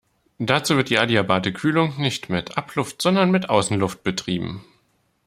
Dazu wird die adiabate Kühlung nicht mit Abluft, sondern mit Außenluft betrieben.